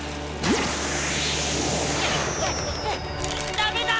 ダメだ！